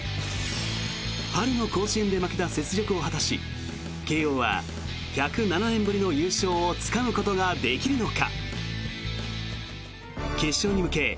春の甲子園で負けた雪辱を果たし慶応は１０７年ぶりの優勝をつかむことができるのか。